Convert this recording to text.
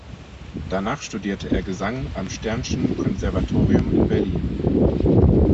Danach studierte er Gesang am Stern’schen Konservatorium in Berlin.